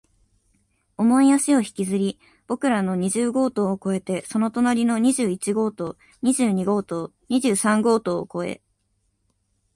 重い足を引きずり、僕らの二十号棟を越えて、その隣の二十一号棟、二十二号棟、二十三号棟を越え、